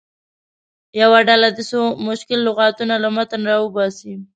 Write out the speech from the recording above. یوه ډله دې څو مشکل لغتونه له متن راوباسي.